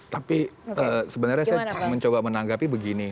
tapi sebenarnya saya mencoba menanggapi begini